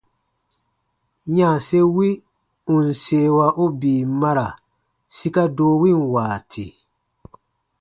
Yanse wi ù n seewa u bii mara sika doo win waati.